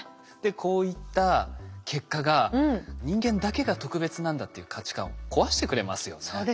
でこういった結果が人間だけが特別なんだっていう価値観を壊してくれますよね。